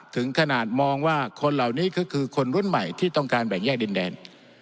ถึงขนาดมองว่าคนเหล่านี้ก็คือคนรุ่นใหม่ที่ต้องการแบ่งแยกดินแดน